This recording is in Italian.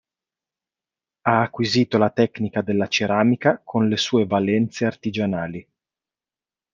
Ha acquisito la tecnica della ceramica con le sue valenze artigianali.